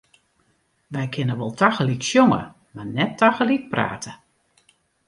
Wy kinne wol tagelyk sjonge, mar net tagelyk prate.